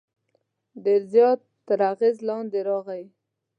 ډېر زیات تر اغېز لاندې راغی.